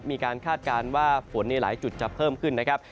คาดการณ์ว่าฝนในหลายจุดจะเพิ่มขึ้นนะครับ